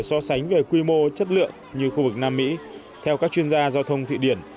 so sánh về quy mô chất lượng như khu vực nam mỹ theo các chuyên gia giao thông thụy điển